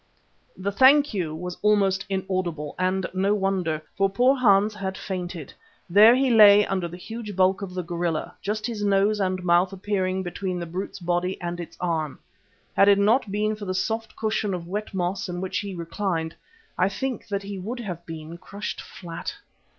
The "thank you" was almost inaudible, and no wonder, for poor Hans had fainted. There he lay under the huge bulk of the gorilla, just his nose and mouth appearing between the brute's body and its arm. Had it not been for the soft cushion of wet moss in which he reclined, I think that he would have been crushed flat.